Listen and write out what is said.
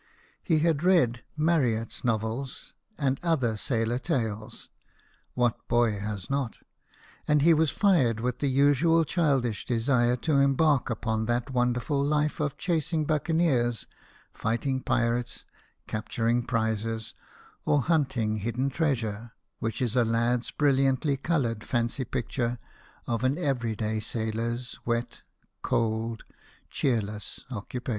He had read Marryatt's novels and other sailor tales what boy has not ? and he was fired with the usual childish desire to embark upon that wonderful life of chasing buccaneers, fighting pirates, cap turing prizes, or hunting hidden treasure, which is a lad's brilliantly coloured fancy picture of an everyday sailor's wet, cold, cheerless occupation.